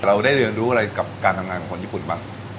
เราได้เรียนรู้อะไรกับการทำงานของคนญี่ปุ่นบ้าง